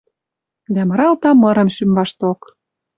Дӓ мыралта мырым шӱм вашток: